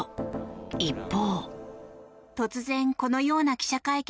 一方。